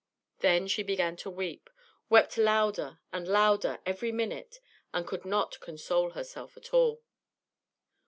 Then she began to weep, wept louder and louder every minute, and could not console herself at all.